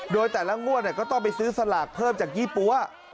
โดยแต่ละงวดก็ต้องไปซื้อสลากเพิ่มจากยี่ปั๊ว